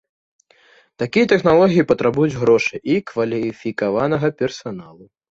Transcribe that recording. Такія тэхналогіі патрабуюць грошай і кваліфікаванага персаналу.